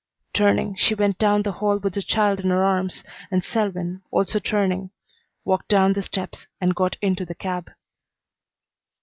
Turning, she went down the hall with the child in her arms, and Selwyn, also turning, walked down the steps and got into the cab.